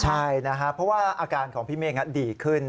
ใช่นะครับเพราะว่าอาการของพี่เมฆดีขึ้น